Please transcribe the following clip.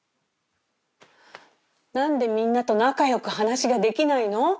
何でみんなと仲良く話ができないの？